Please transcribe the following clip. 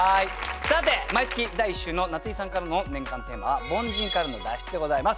さて毎月第１週の夏井さんからの年間テーマは「凡人からの脱出」でございます。